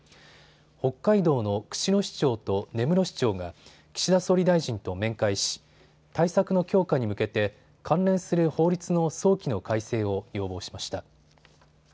北海道の釧路市長と根室市長が岸田総理大臣と面会し、対策の強化に向けて関連する法律の早期の改正を要望しました。